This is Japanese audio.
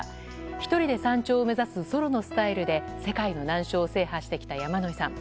１人で山頂を目指すソロのスタイルで世界の難所を制覇してきた山野井さん。